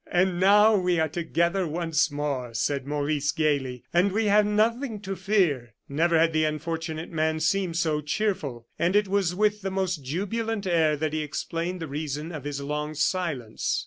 "And now we are together once more," said Maurice, gayly, "and we have nothing to fear." Never had the unfortunate man seemed so cheerful; and it was with the most jubilant air that he explained the reason of his long silence.